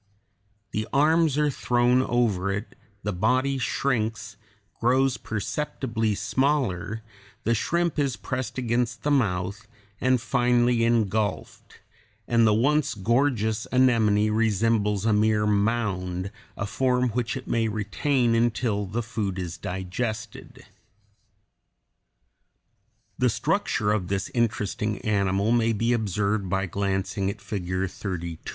The arms are thrown over it, the body shrinks, grows perceptibly smaller, the shrimp is pressed against the mouth, and finally ingulfed, and the once gorgeous anemone resembles (Fig. 31) a mere mound, a form which it may retain until the food is digested. [Illustration: FIG. 31. A sea anemone closed.] The structure of this interesting animal may be observed by glancing at Figure 32.